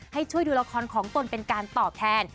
ให้ช่วยดูละครของตนเป็นการตอบแทน